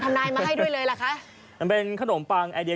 นายมาให้ด้วยเลยล่ะคะมันเป็นขนมปังไอเดีย